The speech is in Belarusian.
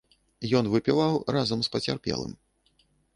Ён выпіваў разам з пацярпелым.